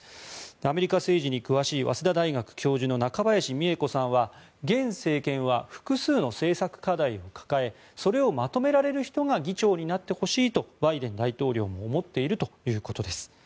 アメリカ政治に詳しい早稲田大学教授の中林美恵子さんは現政権は複数の政策課題を抱えそれをまとめられる人が議長になってほしいとバイデン大統領も思っているということです。